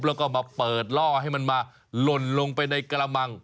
แล้วก็มาเปิดล่อให้มันมาหล่นลงไปในกระมัง